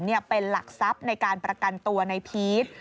นี่เป็นหลักทรัพย์ในการประกันตัวในพีช